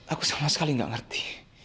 aku sama sekali nggak ngerti